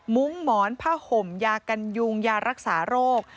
มุ้งหมอนผ้าห่มยากัญญูงยารักษาโรค